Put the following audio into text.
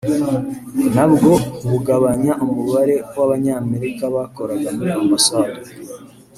nabwo bugabanya umubare w’Abanyamerika bakoraga muri Ambasade